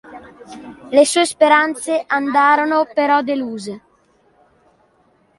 Le sue speranze andarono però deluse.